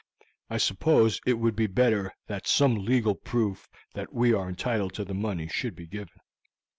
I suppose it would be better that some legal proof that we are entitled to the money should be given."